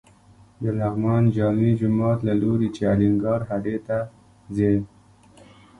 د لغمان جامع جومات له لوري چې الینګار هډې ته ځې.